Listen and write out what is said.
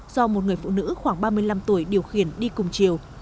do một người phụ nữ khoảng ba mươi năm tuổi điều khiển đi cùng chiều